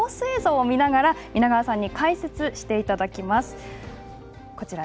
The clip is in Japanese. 映像を見ながら解説をしていただきます。